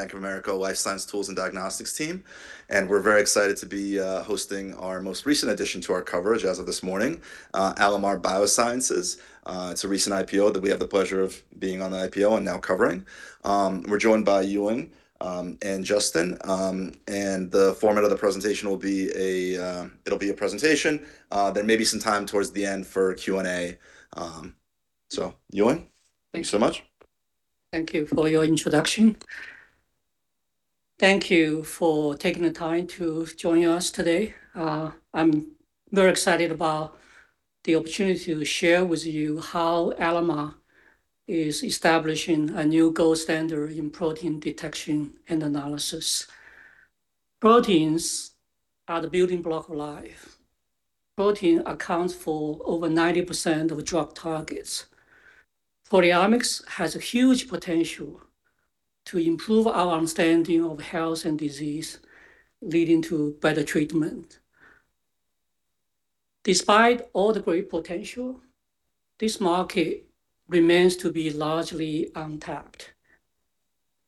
Bank of America Life Science Tools and Diagnostics team, we're very excited to be hosting our most recent addition to our coverage as of this morning, Alamar Biosciences. It's a recent IPO that we have the pleasure of being on the IPO and now covering. We're joined by Yuling and Justin. The format of the presentation will be... It'll be a presentation. There may be some time towards the end for Q&A. Yuling, thank you so much. Thank you for your introduction. Thank you for taking the time to join us today. I'm very excited about the opportunity to share with you how Alamar is establishing a new gold standard in protein detection and analysis. Proteins are the building block of life. Protein accounts for over 90% of drug targets. Proteomics has a huge potential to improve our understanding of health and disease, leading to better treatment. Despite all the great potential, this market remains to be largely untapped.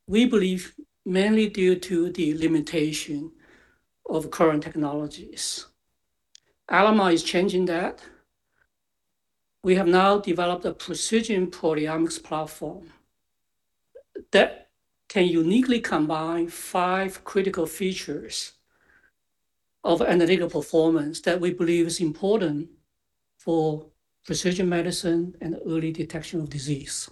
We believe mainly due to the limitation of current technologies. Alamar is changing that. We have now developed a precision proteomics platform that can uniquely combine five critical features of analytical performance that we believe is important for precision medicine and early detection of disease.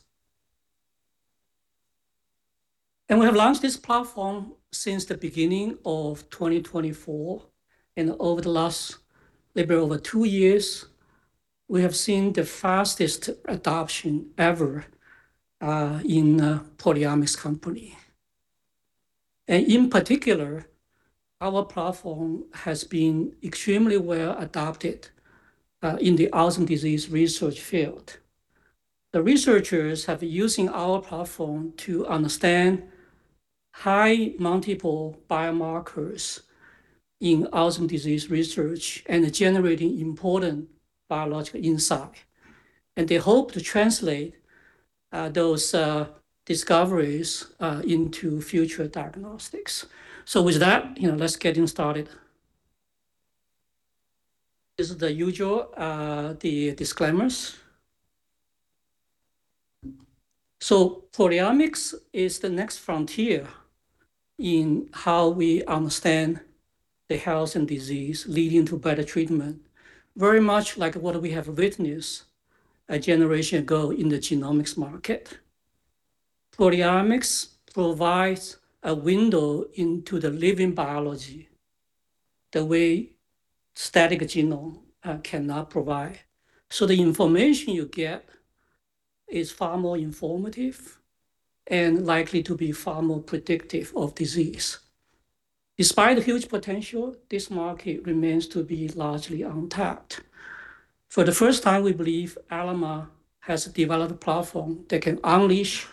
We have launched this platform since the beginning of 2024, and over the last little bit over two years, we have seen the fastest adoption ever in a proteomics company. In particular, our platform has been extremely well adopted in the Alzheimer's disease research field. The researchers have been using our platform to understand high multiple biomarkers in Alzheimer's disease research and generating important biological insight, and they hope to translate those discoveries into future diagnostics. With that, you know, let's get started. This is the usual the disclaimers. Proteomics is the next frontier in how we understand the health and disease leading to better treatment, very much like what we have witnessed a generation ago in the genomics market. Proteomics provides a window into the living biology the way static genome cannot provide. The information you get is far more informative and likely to be far more predictive of disease. Despite the huge potential, this market remains to be largely untapped. For the first time, we believe Alamar has developed a platform that can unleash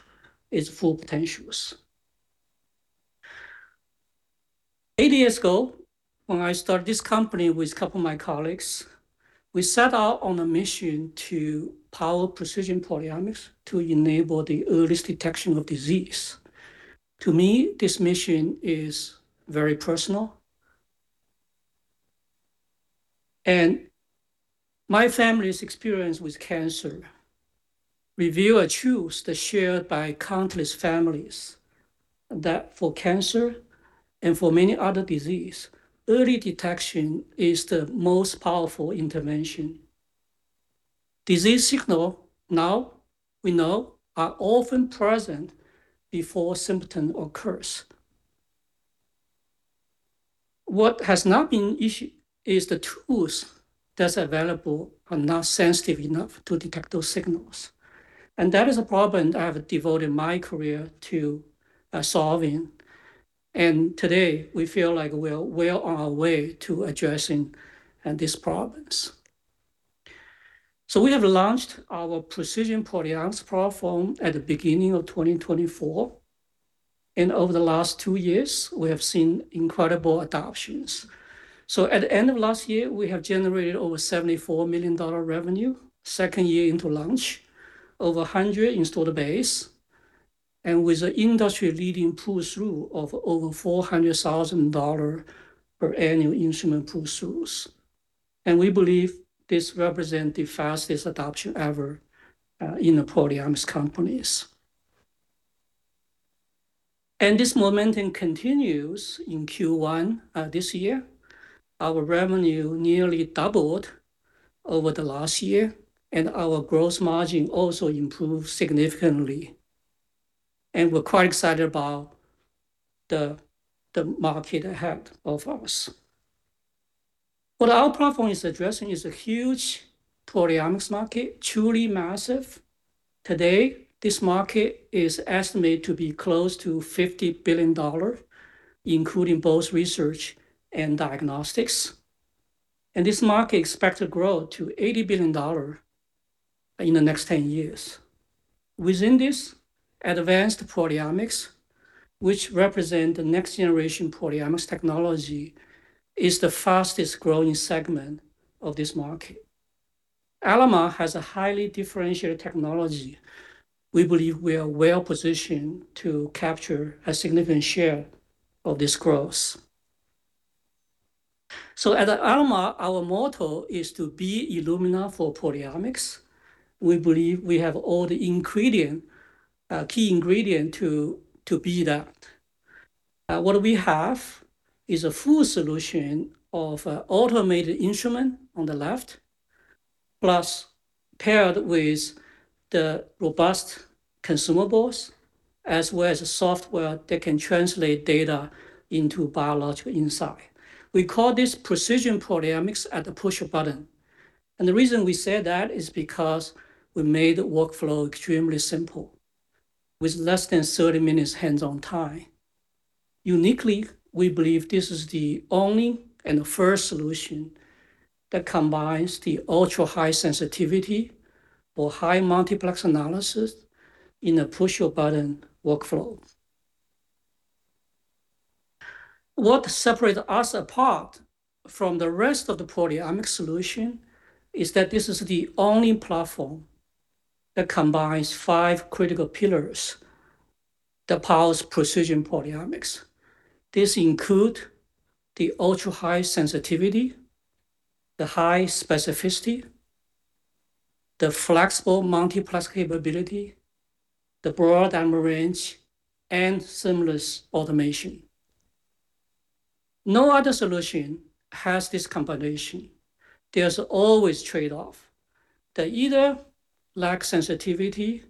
its full potential. Eight years ago, when I started this company with a couple of my colleagues, we set out on a mission to power precision proteomics to enable the earliest detection of disease. To me, this mission is very personal. My family's experience with cancer revealed a truth that's shared by countless families, that for cancer and for many other diseases, early detection is the most powerful intervention. Disease signals now we know are often present before symptoms occur. What has not been issued is the tools that's available are not sensitive enough to detect those signals, and that is a problem I have devoted my career to solving. Today we feel like we're well on our way to addressing these problems. We have launched our precision proteomics platform at the beginning of 2024, and over the last two years we have seen incredible adoptions. At the end of last year, we have generated over $74 million revenue, second year into launch, over 100 installed base, and with a industry-leading pull-through of over $400,000 per annual instrument pull-throughs. We believe this represent the fastest adoption ever in the proteomics companies. This momentum continues in Q1 this year. Our revenue nearly doubled over the last year, and our gross margin also improved significantly, and we're quite excited about the market ahead of us. What our platform is addressing is a huge proteomics market, truly massive. Today, this market is estimated to be close to $50 billion, including both research and diagnostics. This market is expected to grow to $80 billion in the next 10 years. Within this, advanced proteomics, which represent the next-generation proteomics technology, is the fastest-growing segment of this market. Alamar has a highly differentiated technology. We believe we are well-positioned to capture a significant share of this growth. At Alamar, our motto is to be Illumina for proteomics. We believe we have all the key ingredient to be that. What we have is a full solution of automated instrument on the left, plus paired with the robust consumables, as well as software that can translate data into biological insight. We call this precision proteomics at the push of a button. The reason we say that is because we made the workflow extremely simple, with less than 30 minutes hands-on time. Uniquely, we believe this is the only and the first solution that combines the ultra-high sensitivity or high multiplex analysis in a push-your-button workflow. What separate us apart from the rest of the proteomic solution is that this is the only platform that combines five critical pillars that powers precision proteomics. This includes the ultra-high sensitivity, the high specificity, the flexible multiplex capability, the broad dynamic range, and seamless automation. No other solution has this combination. There's always trade-off. They either lack sensitivity,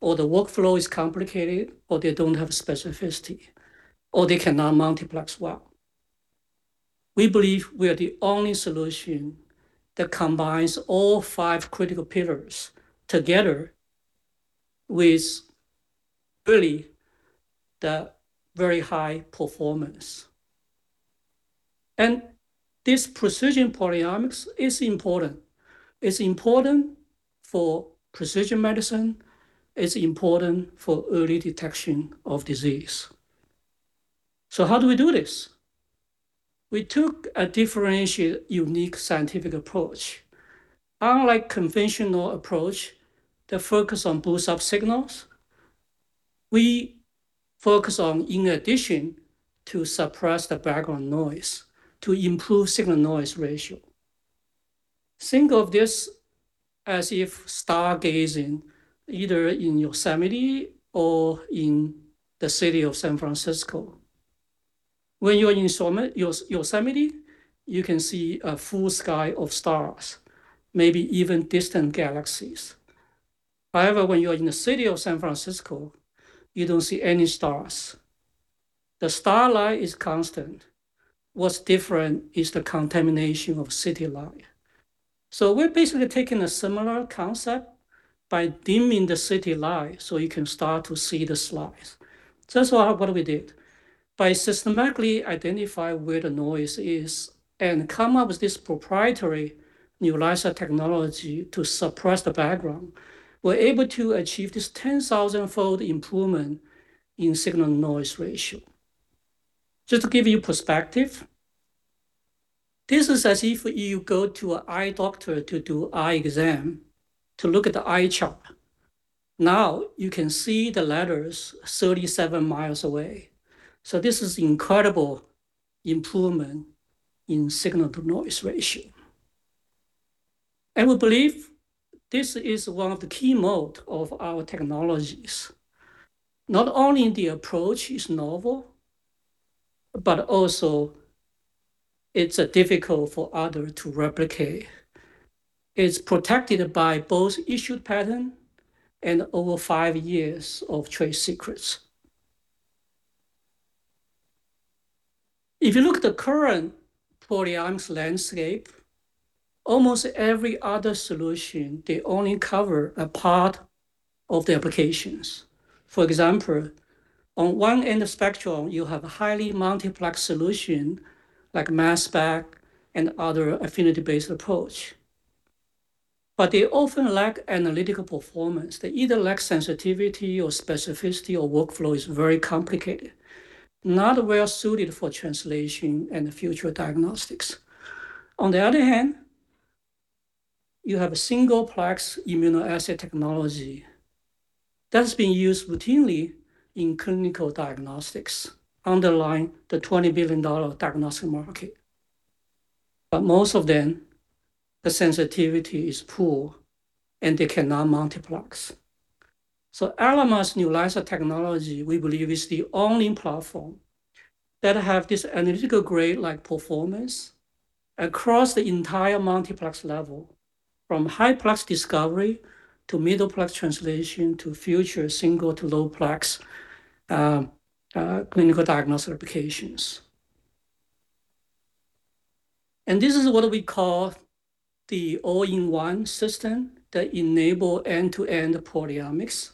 or the workflow is complicated, or they don't have specificity, or they cannot multiplex well. We believe we are the only solution that combines all five critical pillars together with really very high performance. This precision proteomics is important. It's important for precision medicine, it's important for early detection of disease. How do we do this? We took a differentiated, unique scientific approach. Unlike conventional approach that focus on boost up signals, we focus on, in addition, to suppress the background noise to improve signal-to-noise ratio. Think of this as if star gazing, either in Yosemite or in the city of San Francisco. When you are in Yosemite, you can see a full sky of stars, maybe even distant galaxies. However, when you are in the city of San Francisco, you don't see any stars. The starlight is constant. What's different is the contamination of city light. We're basically taking a similar concept by dimming the city light so you can start to see the stars. That's what we did. By systematically identify where the noise is and come up with this proprietary NULISA technology to suppress the background, we're able to achieve this 10,000-fold improvement in signal-to-noise ratio. Just to give you perspective, this is as if you go to an eye doctor to do eye exam to look at the eye chart. Now you can see the letters 37 miles away. This is incredible improvement in signal-to-noise ratio. We believe this is one of the key moat of our technologies. Not only the approach is novel, but also it's difficult for other to replicate. It's protected by both issued patent and over five years of trade secrets. If you look at the current proteomics landscape, almost every other solution, they only cover a part of the applications. For example, on one end of spectrum, you have a highly multiplex solution like mass spec and other affinity-based approach. But they often lack analytical performance. They either lack sensitivity or specificity or workflow is very complicated, not well-suited for translation and future diagnostics. On the other hand, you have a single-plex immunoassay technology that's been used routinely in clinical diagnostics, underlying the $20 billion diagnostic market. Most of them, the sensitivity is poor, and they cannot multiplex. Alamar's NULISA technology, we believe, is the only platform that have this analytical grade-like performance across the entire multiplex level, from high-plex discovery to middle-plex translation to future single to low-plex, clinical diagnostic applications. This is what we call the all-in-one system that enable end-to-end proteomics.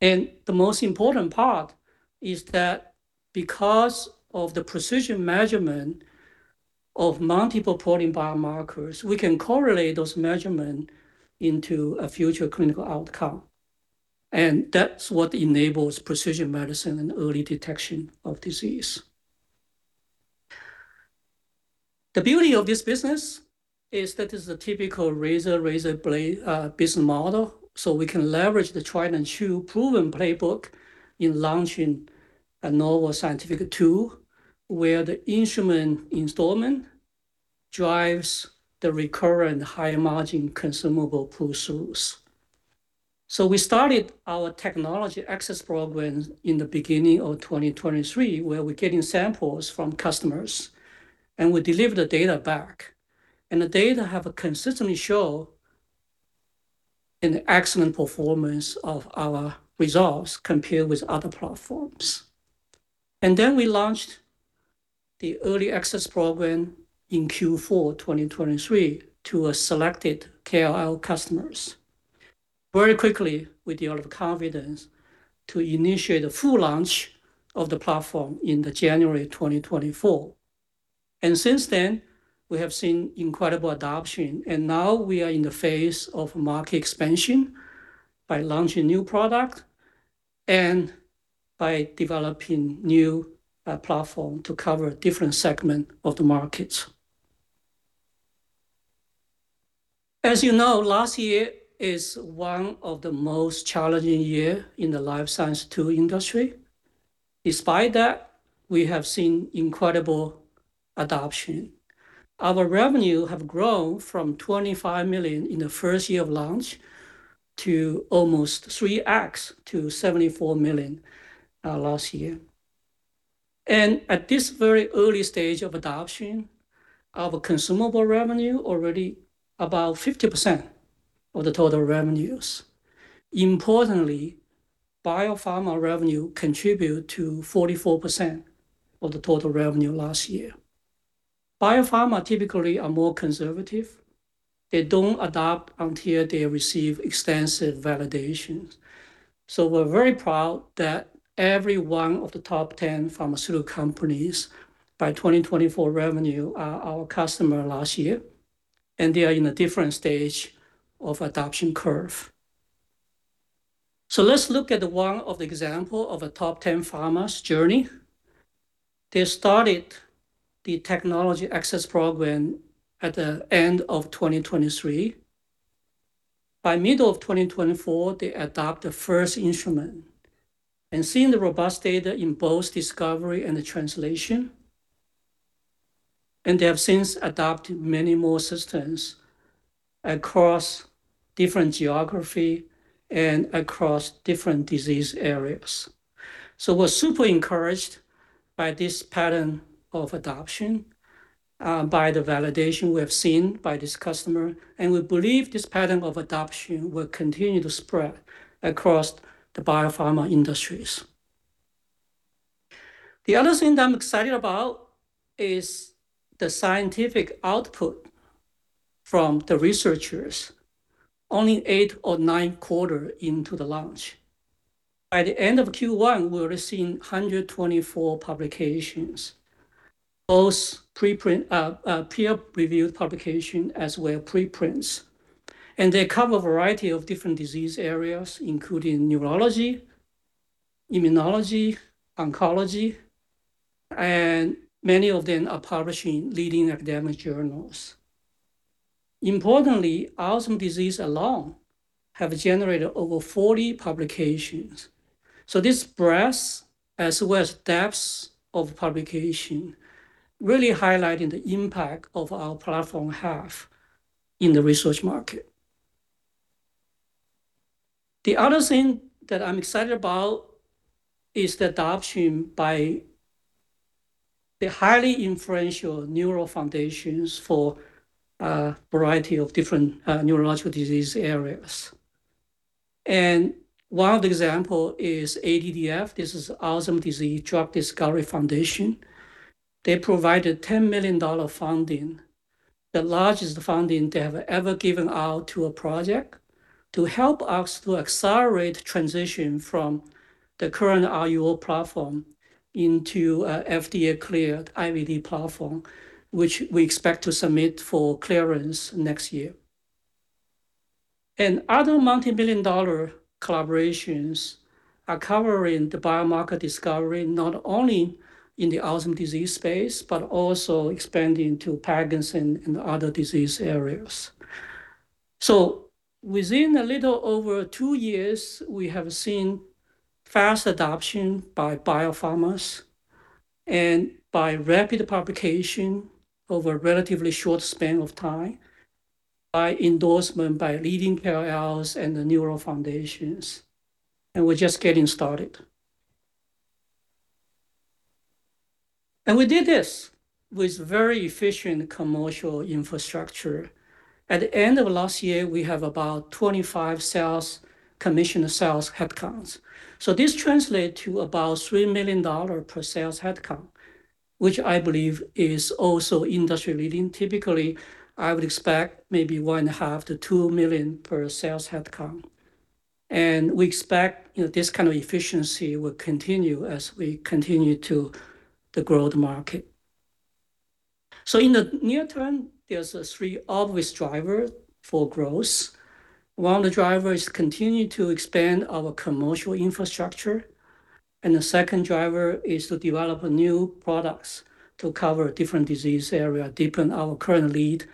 The most important part is that because of the precision measurement of multiple protein biomarkers, we can correlate those measurement into a future clinical outcome. That's what enables precision medicine and early detection of disease. The beauty of this business is that it's a typical razor blade, business model, so we can leverage the tried and true proven playbook in launching a novel scientific tool where the instrument installment drives the recurrent high margin consumable pull-throughs. We started our Technology Access Program in the beginning of 2023, where we're getting samples from customers, and we deliver the data back. The data have consistently show an excellent performance of our results compared with other platforms. We launched the Early Access Program in Q4 2023 to a selected KOL customers. Very quickly, with the level of confidence to initiate a full launch of the platform in January 2024. Since then, we have seen incredible adoption. Now we are in the phase of market expansion by launching new product and by developing new platform to cover different segment of the markets. As you know, last year is one of the most challenging year in the life science tool industry. Despite that, we have seen incredible adoption. Our revenue have grown from $25 million in the first year of launch to almost 3x to $74 million last year. At this very early stage of adoption, our consumable revenue already about 50% of the total revenues. Importantly, biopharma revenue contribute to 44% of the total revenue last year. Biopharma typically are more conservative. They don't adopt until they receive extensive validations. We're very proud that every one of the top 10 pharmaceutical companies by 2024 revenue are our customer last year, and they are in a different stage of adoption curve. Let's look at one of the example of a top 10 pharma's journey. They started the Technology Access Program at the end of 2023. By middle of 2024, they adopted the first instrument and seeing the robust data in both discovery and the translation, and they have since adopted many more systems across different geography and across different disease areas. We're super encouraged by this pattern of adoption, by the validation we have seen by this customer, and we believe this pattern of adoption will continue to spread across the biopharma industries. The other thing that I'm excited about is the scientific output from the researchers only eight or nine quarter into the launch. By the end of Q1, we're already seeing 124 publications, both preprint, peer-reviewed publication as well as preprints. They cover a variety of different disease areas, including neurology, immunology, oncology, and many of them are publishing leading academic journals. Importantly, Alzheimer's disease alone have generated over 40 publications. This breadth, as well as depths of publication, really highlighting the impact of our platform have in the research market. The other thing that I'm excited about is the adoption by the highly influential neuro foundations for a variety of different neurological disease areas. One example is ADDF. This is Alzheimer's Drug Discovery Foundation. They provided $10 million funding, the largest funding they have ever given out to a project, to help us to accelerate transition from the current RUO platform into FDA cleared IVD platform, which we expect to submit for clearance next year. Other multi-billion dollar collaborations are covering the biomarker discovery, not only in the Alzheimer's disease space, but also expanding to Parkinson's and other disease areas. Within a little over two years, we have seen fast adoption by biopharmas and by rapid publication over a relatively short span of time, by endorsement by leading KOLs and the neural foundations. We're just getting started. We did this with very efficient commercial infrastructure. At the end of last year, we have about 25 sales, commissioned sales headcounts. This translate to about $3 million per sales headcount, which I believe is also industry-leading. Typically, I would expect maybe $1.5 million-$2 million per sales headcount. We expect, you know, this kind of efficiency will continue as we continue to The growth market. In the near term, there's three obvious driver for growth. One of the driver is continue to expand our commercial infrastructure. The second driver is to develop new products to cover different disease area, deepen our current lead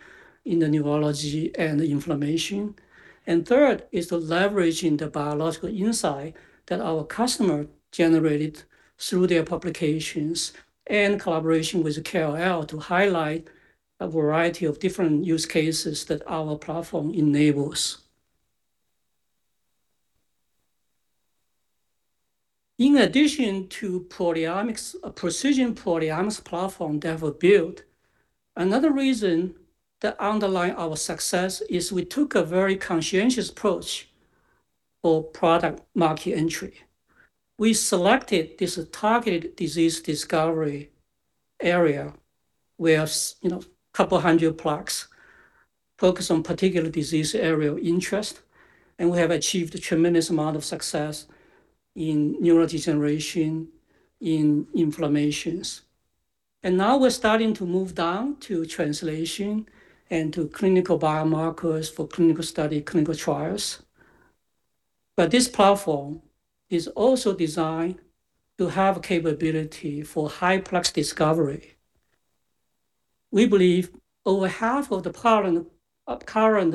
in the neurology and inflammation. Third is the leverage in the biological insight that our customer generated through their publications and collaboration with the KOL to highlight a variety of different use cases that our platform enables. In addition to precision proteomics platform that we built, another reason that underlie our success is we took a very conscientious approach for product market entry. We selected this targeted disease discovery area where you know, 200 plex focus on particular disease area of interest, and we have achieved a tremendous amount of success in neurodegeneration, in inflammation. Now we're starting to move down to translation and to clinical biomarkers for clinical study, clinical trials. This platform is also designed to have capability for high plex discovery. We believe over half of the current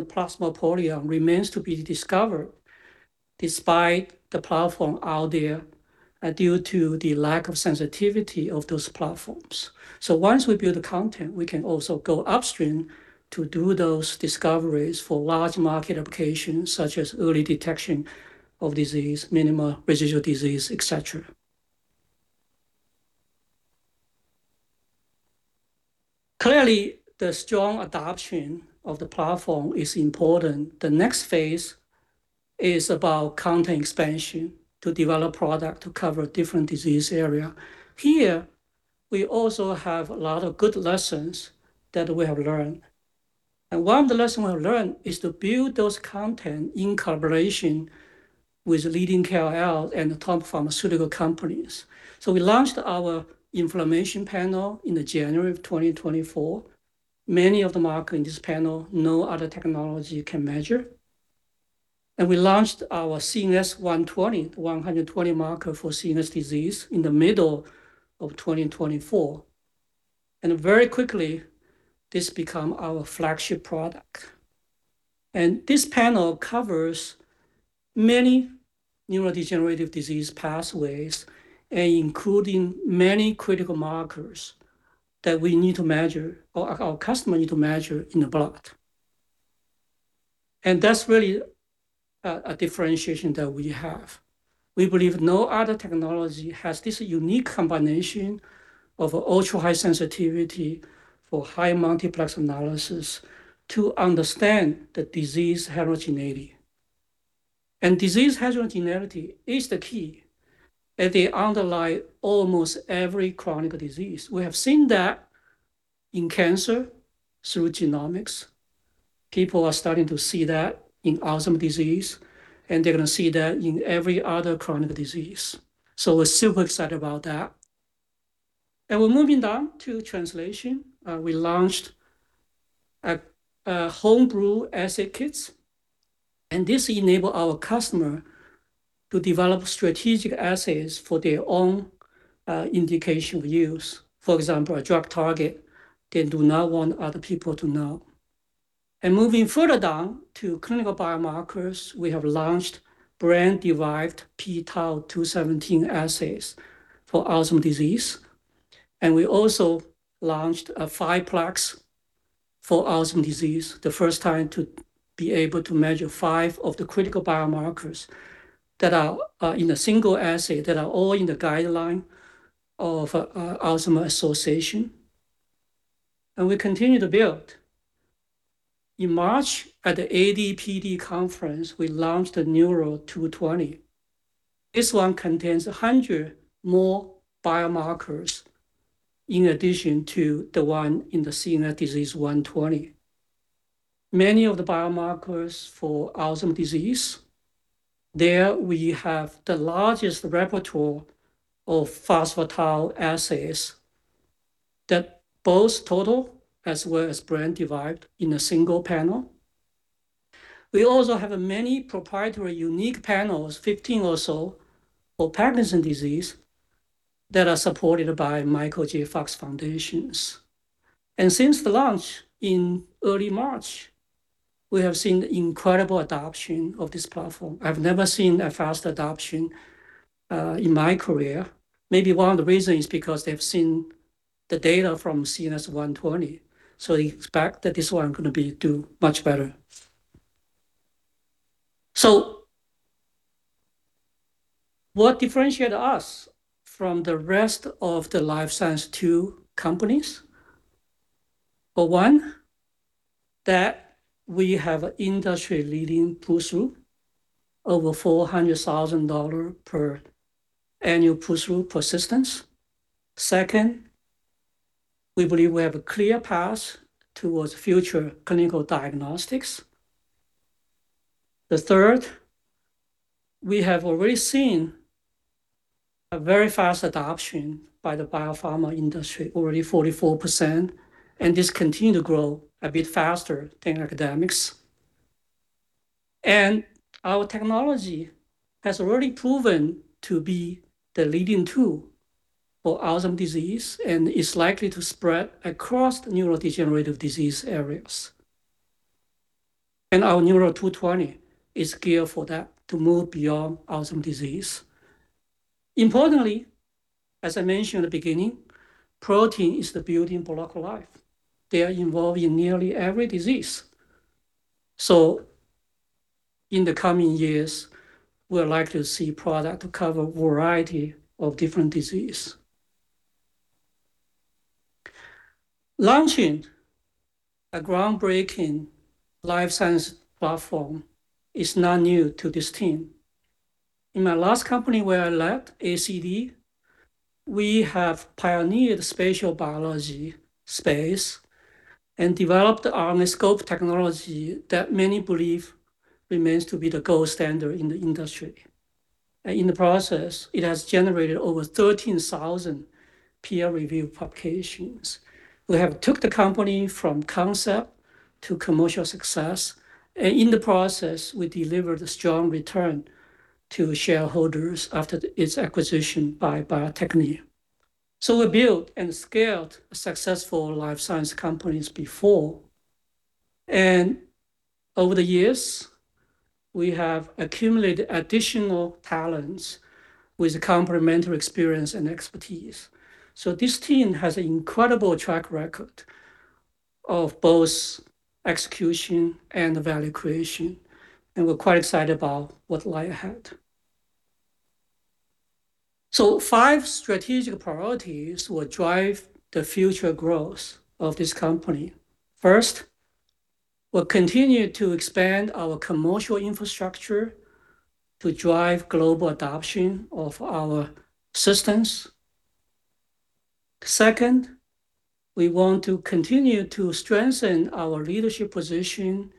plasma proteome remains to be discovered despite the platform out there, due to the lack of sensitivity of those platforms. Once we build the content, we can also go upstream to do those discoveries for large market applications such as early detection of disease, minimal residual disease, et cetera. Clearly, the strong adoption of the platform is important. The next phase is about content expansion to develop product to cover different disease area. Here, we also have a lot of good lessons that we have learned. One of the lesson we have learned is to build those content in collaboration with leading KOL and the top pharmaceutical companies. We launched our Inflammation Panel in the January of 2024. Many of the marker in this panel, no other technology can measure. We launched our CNS 120 marker for CNS disease in the middle of 2024. Very quickly, this become our flagship product. This panel covers many neurodegenerative disease pathways, and including many critical markers that we need to measure or our customer need to measure in the blood. That's really a differentiation that we have. We believe no other technology has this unique combination of ultra-high sensitivity for high multiplex analysis to understand the disease heterogeneity. Disease heterogeneity is the key, and they underlie almost every chronic disease. We have seen that in cancer through genomics. People are starting to see that in Alzheimer's disease, and they're gonna see that in every other chronic disease. We're super excited about that. We're moving down to translation. We launched a home brew assay kits, and this enable our customer to develop strategic assays for their own indication use. For example, a drug target they do not want other people to know. Moving further down to clinical biomarkers, we have launched brain-derived p-tau 217 assays for Alzheimer's disease. We also launched a 5-plex for Alzheimer's disease, the first time to be able to measure five of the critical biomarkers that are in a single assay, that are all in the guideline of Alzheimer's Association. We continue to build. In March, at the ADPD conference, we launched the NULISAseq Neuro 220 Panel. This one contains 100 more biomarkers in addition to the one in the NULISAseq CNS Disease Panel 120. Many of the biomarkers for Alzheimer's disease. There we have the largest repertoire of phospho-tau assays that both total as well as brain-derived in a single panel. We also have many proprietary unique panels, 15 or so, for Parkinson's disease that are supported by Michael J. Fox Foundation. Since the launch in early March, we have seen incredible adoption of this platform. I've never seen a fast adoption in my career. Maybe one of the reason is because they've seen the data from NULISAseq CNS Disease Panel 120, they expect that this one gonna be do much better. What differentiate us from the rest of the life science tool companies? For one, that we have industry-leading pull-through, over $400,000 per annual pull-through persistence. Second, we believe we have a clear path towards future clinical diagnostics. The third, we have already seen a very fast adoption by the biopharma industry, already 44%, and this continue to grow a bit faster than academics. Our technology has already proven to be the leading tool for Alzheimer's disease and is likely to spread across neurodegenerative disease areas. Our Neuro 220 is geared for that to move beyond Alzheimer's disease. Importantly, as I mentioned at the beginning, protein is the building block of life. They are involved in nearly every disease. In the coming years, we're likely to see product to cover variety of different disease. Launching a groundbreaking life science platform is not new to this team. In my last company where I left, ACD, we have pioneered spatial biology space and developed our RNAscope technology that many believe remains to be the gold standard in the industry. In the process, it has generated over 13,000 peer-reviewed publications. We have taken the company from concept to commercial success, and in the process, we delivered a strong return to shareholders after its acquisition by Bio-Techne. We built and scaled successful life science companies before. Over the years, we have accumulated additional talents with complementary experience and expertise. This team has an incredible track record of both execution and value creation, and we're quite excited about what lie ahead. Five strategic priorities will drive the future growth of this company. First, we'll continue to expand our commercial infrastructure to drive global adoption of our systems. Second, we want to continue to strengthen our leadership position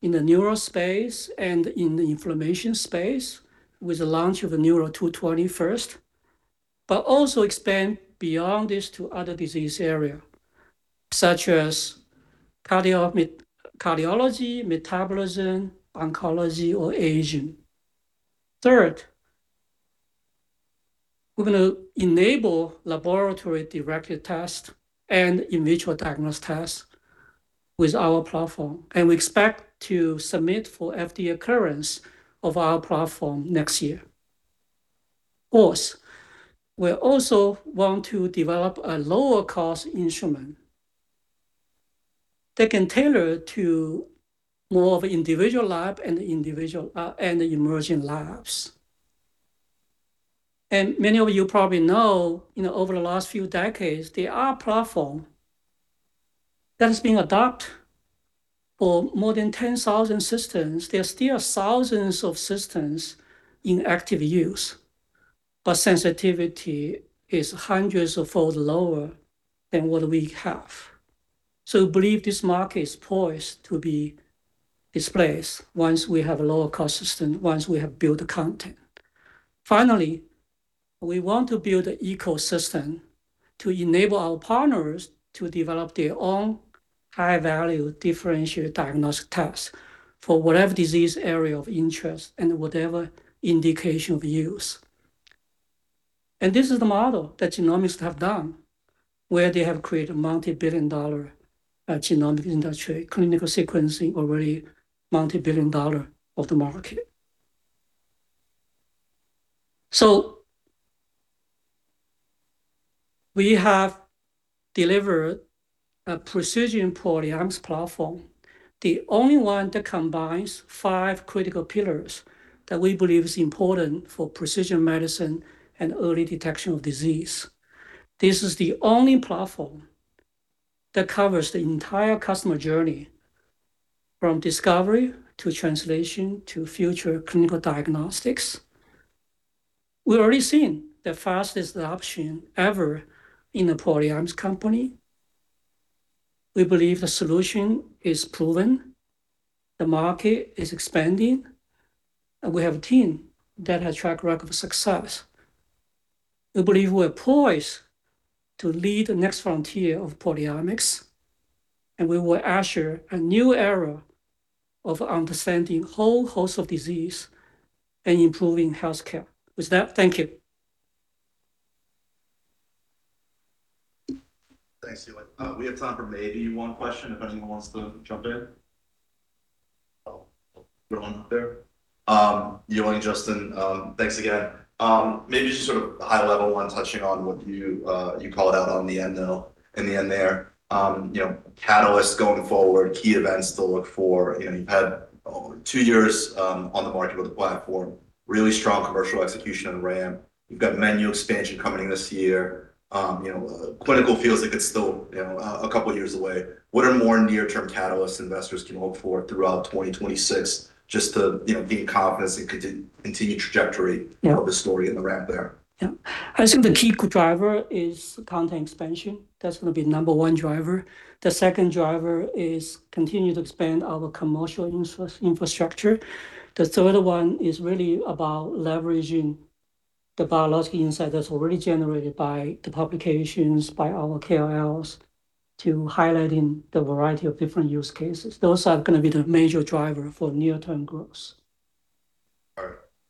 in the neural space and in the inflammation space with the launch of Neuro 220 first. Also expand beyond this to other disease area, such as cardiology, metabolism, oncology, or aging. Third, we're gonna enable laboratory-developed test and in-vitro diagnostic test with our platform, and we expect to submit for FDA clearance of our platform next year. Fourth, we also want to develop a lower cost instrument that can tailor to more of individual lab and individual and emerging labs. Many of you probably know, you know, over the last few decades, there are platform that has been adopted for more than 10,000 systems. There are still thousands of systems in active use, but sensitivity is hundreds of fold lower than what we have. Believe this market is poised to be displaced once we have a lower cost system, once we have built the content. Finally, we want to build a ecosystem to enable our partners to develop their own high-value differentiated diagnostic tests for whatever disease area of interest and whatever indication of use. This is the model that genomics have done, where they have created a multi-billion dollar genomic industry, clinical sequencing, already multi-billion dollar of the market. We have delivered a precision proteomics platform, the only one that combines five critical pillars that we believe is important for precision medicine and early detection of disease. This is the only platform that covers the entire customer journey, from discovery to translation to future clinical diagnostics. We're already seeing the fastest adoption ever in a proteomics company. We believe the solution is proven, the market is expanding, and we have a team that has track record of success. We believe we're poised to lead the next frontier of proteomics, and we will usher a new era of understanding whole host of disease and improving healthcare. With that, thank you. Thanks, Yuling. We have time for maybe one question if anyone wants to jump in. Oh, we're on there. Yuling, Justin, thanks again. Maybe just sort of high-level one touching on what you called out in the end there. You know, catalysts going forward, key events to look for. You've had two years on the market with the platform, really strong commercial execution on ramp. You've got menu expansion coming this year. You know, clinical feels like it's still, you know, a couple years away. What are more near-term catalysts investors can look for throughout 2026 just to, you know, gain confidence it could continue trajectory... Yeah... Of the story and the ramp there? Yeah. I think the key driver is content expansion. That's gonna be number one driver. The second driver is continue to expand our commercial infrastructure. The third one is really about leveraging the biological insight that's already generated by the publications, by our KOLs, to highlighting the variety of different use cases. Those are gonna be the major driver for near-term growth.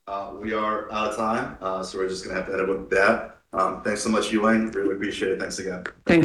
All right. We are out of time, so we're just gonna have to end it with that. Thanks so much, Yuling. Really appreciate it. Thanks again. Thank you.